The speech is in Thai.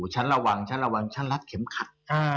ฉันระวังฉันรัดเข็มขัด